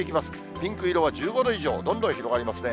ピンク色は１５度以上、どんどん広がりますね。